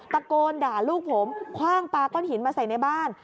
ตะโกนด่าลูกผมคว่างปลาก้อนหินมาใส่ในบ้าน